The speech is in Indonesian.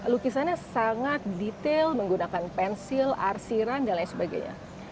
lukisannya sangat detail menggunakan pensil arsiran dan lain sebagainya